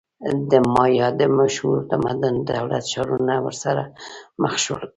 د مایا د مشهور تمدن دولت-ښارونه ورسره مخ شول.